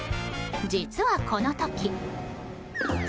実は、この時。